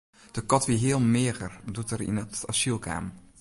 De kat wie heel meager doe't er yn it asyl kaam.